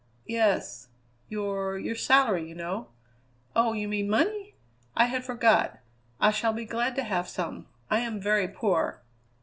"Yes. Your your salary, you know." "Oh, you mean money? I had forgot. I shall be glad to have some. I am very poor."